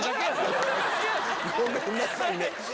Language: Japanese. ごめんなさいね。